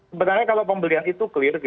sebenarnya kalau pembelian itu clear